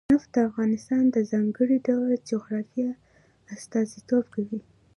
نفت د افغانستان د ځانګړي ډول جغرافیه استازیتوب کوي.